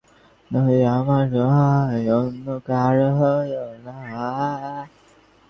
ঠিক হল কাল রাত দশটা নাগাদ তারা আর একবার ভ্যালডিমারকে পরীক্ষা করে যাবেন।